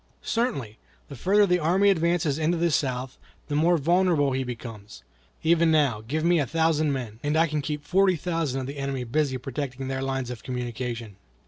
"Certainly. The further the enemy advances into the South, the more vulnerable he becomes. Even now, give me a thousand men, and I can keep forty thousand of the enemy busy protecting their lines of communication."